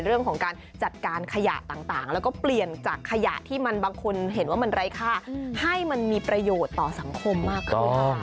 เรื่องของการจัดการขยะต่างแล้วก็เปลี่ยนจากขยะที่มันบางคนเห็นว่ามันไร้ค่าให้มันมีประโยชน์ต่อสังคมมากขึ้น